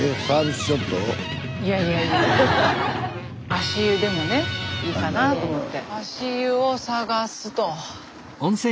スタジオ足湯でもねいいかなと思って。